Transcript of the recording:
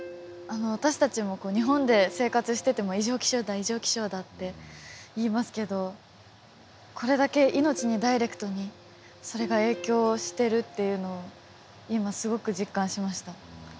私たちも日本で生活してても異常気象だ異常気象だって言いますけどこれだけ命にダイレクトにそれが影響してるっていうのを今すごく実感しました。